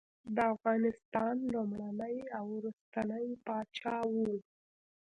د افغانستان لومړنی او وروستنی پاچا وو.